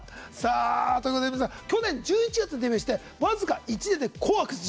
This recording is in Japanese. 去年１１月にデビューして僅か１年で「紅白」出場。